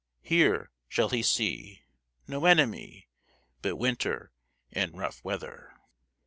Here shall he see No enemy, But winter and rough weather.